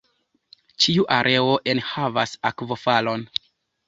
Ĉiu areo enhavas akvofalon.